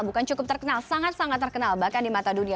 bukan cukup terkenal sangat sangat terkenal bahkan di mata dunia